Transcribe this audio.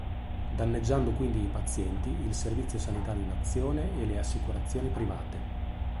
Danneggiando quindi i pazienti, il servizio sanitario nazione e le assicurazioni private.